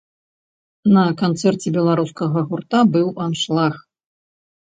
На канцэрце беларускага гурта быў аншлаг.